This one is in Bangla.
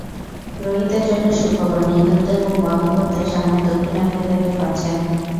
রোহিতের জন্য সুখবর, নিন্দুকদের মুখ বন্ধ করতে সামনে দক্ষিণ আফ্রিকাকে পাচ্ছেন।